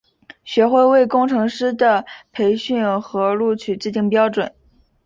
学会为工程师的培训和录取制定标准。